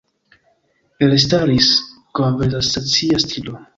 Elstaris konversacia stilo.